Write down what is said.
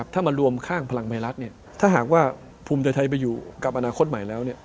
ถ้ามารวมข้างพลังไทยรัฐถ้าหากว่าภูมิใจไทยไปอยู่กับอนาคตใหม่แล้ว